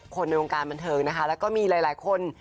ในวงการบันเทิงนะคะแล้วก็มีหลายคน